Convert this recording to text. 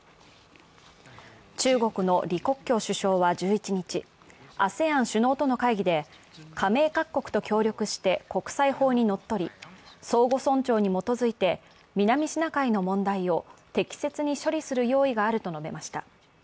中国の李克強首相は１１日、ＡＳＥＡＮ首脳との会議で、加盟各国と協力して、国際法にのっとり、相互尊重に基づいて南シナ海の問題を適切に処理する用意があると述べました。